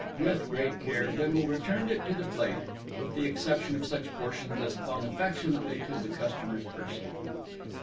With great care Bindle returned it to the plate, with the exception of such portions as clung affectionately to the customer's person.